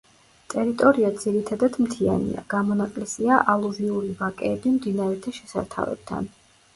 ტერიტორია ძირითადად მთიანია, გამონაკლისია ალუვიური ვაკეები მდინარეთა შესართავებთან.